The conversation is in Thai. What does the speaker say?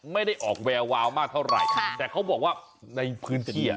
ไม่ได้ออกแวววาวมากเท่าไหร่แต่เขาบอกว่าในพื้นที่อ่ะ